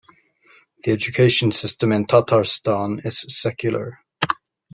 The education system in Tatarstan is secular.